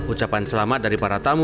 ucapan selamat dari para tuan dan ibu